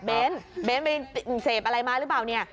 เบนส์เบนส์เสพอะไรมาหรือเปล่าเนี่ย